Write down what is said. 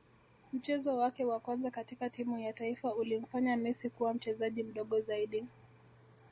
Mchezo wake wa kwanza katika timu ya taifa ulimfanya Messi kuwa mchezaji mdogo zaidi